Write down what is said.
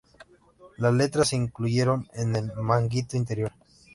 Las letras se incluyeron en el manguito interior.